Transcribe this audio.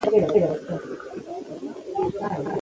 لوگر د افغانستان د موسم د بدلون سبب کېږي.